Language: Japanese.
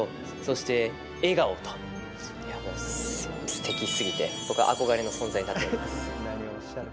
すてきすぎて僕、憧れの存在になっております。